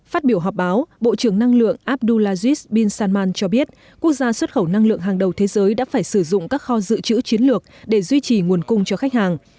phát biểu họp báo bộ trưởng năng lượng abdulaziz bin salman cho biết quốc gia xuất khẩu năng lượng hàng đầu thế giới đã phải sử dụng các kho dự trữ chiến lược để duy trì nguồn cung cho khách hàng